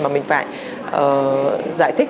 mà mình phải giải thích